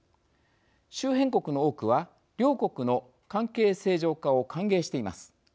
周辺国の多くは両国の関係正常化を歓迎しています。